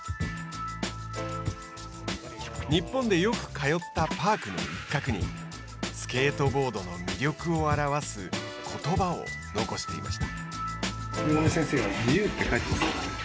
日本でよく通ったパークの一角にスケートボードの魅力を表すことばを残していました。